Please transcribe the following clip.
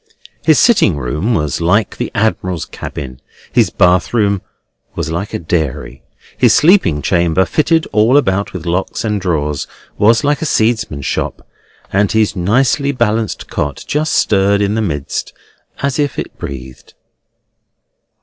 His sitting room was like the admiral's cabin, his bath room was like a dairy, his sleeping chamber, fitted all about with lockers and drawers, was like a seedsman's shop; and his nicely balanced cot just stirred in the midst, as if it breathed.